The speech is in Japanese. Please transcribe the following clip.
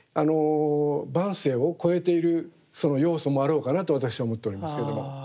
「万声」を超えているその要素もあろうかなと私は思っておりますけども。